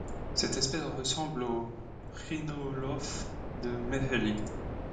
Cette espèce ressemble au rhinolophe de Mehely.